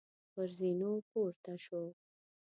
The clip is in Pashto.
پر زینو پورته شوو.